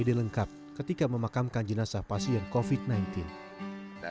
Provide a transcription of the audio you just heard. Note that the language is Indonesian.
jadi lengkap ketika memakamkan jenazah pasien covid sembilan belas